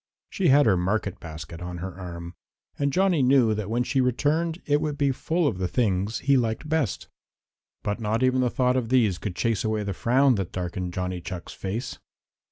She had her market basket on her arm, and Johnny knew that when she returned it would be full of the things he liked best. But not even the thought of these could chase away the frown that darkened Johnny Chuck's face.